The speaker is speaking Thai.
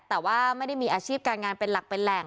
แต่ว่าไม่ได้มีอาชีพการงานเป็นหลักเป็นแหล่ง